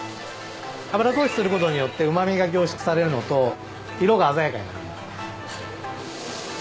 油通しする事によってうま味が凝縮されるのと色が鮮やかになります。